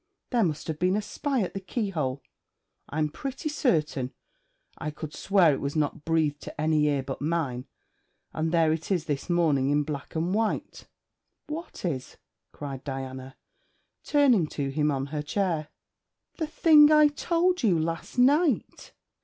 There must have been a spy at the keyhole. I'm pretty certain I could swear it was not breathed to any ear but mine; and there it is this morning in black and white.' 'What is?' cried Diana, turning to him on her chair. 'The thing I told you last night.'